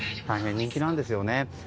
大変、人気なんですよね。